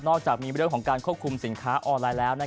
จากมีเรื่องของการควบคุมสินค้าออนไลน์แล้ว